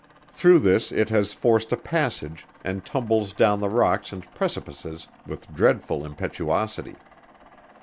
Through this it has forced a passage, and tumbles down the rocks and precipices with dreadful impetuosity.